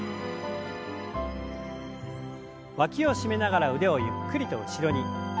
わきを締めながら腕をゆっくりと後ろに。